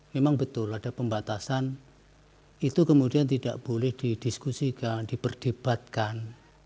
memang betul ada pembatasan itu kemudian tidak boleh didiskusikan diperdebatkan